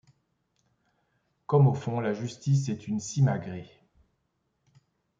Comme au fond la justice est une simagrée